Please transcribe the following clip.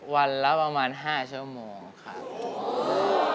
วันละประมาณ๕ชั่วโมงครับ